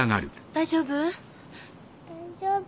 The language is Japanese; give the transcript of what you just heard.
大丈夫？